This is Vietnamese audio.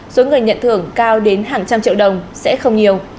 số người nhận thưởng cao đến hàng trăm triệu đồng sẽ không nhiều